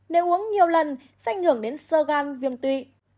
nếu uống nhiều lần sẽ ảnh hưởng đến sơ gan viêm tụy